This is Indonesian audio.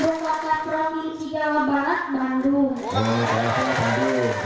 jaya kura bandung betul